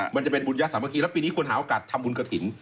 มันจะเป็นบุญญาสามัคคีแล้วปีนี้ควรหาโอกาสทำบุญกระถิ่น